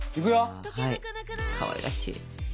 はいかわいらしい。